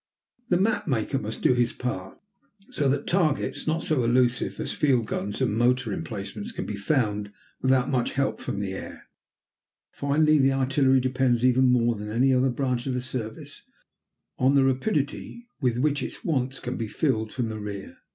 The map maker must do his part, so that targets not so elusive as field guns and motor emplacements can be found without much help from the air. Finally, the artillery depends, even more than any other branch of the service, on the rapidity with which its wants can be filled from the rear.